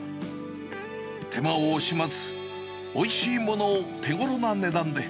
手間を惜しまず、おいしいものを手ごろな値段で。